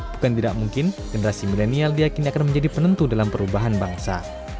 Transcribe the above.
bukan tidak mungkin generasi milenial diakini akan menjadi penentu dalam perubahan bangsa